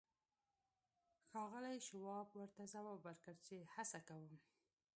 ښاغلي شواب ورته ځواب ورکړ چې هڅه کوم